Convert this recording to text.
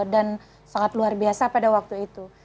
dan sangat luar biasa pada waktu itu